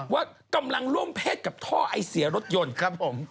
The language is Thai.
ว่ากำลังร่วมเพศกับท่อไอเสียรถยนต์ครับผม